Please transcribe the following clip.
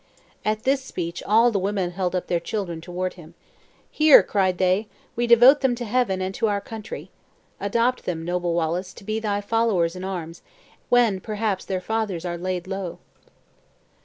At this speech all the women held up their children toward him. "Here," cried they, "we devote them to Heaven, and to our country! Adopt them, noble Wallace, to be thy followers in arms, when, perhaps, their fathers are laid low!"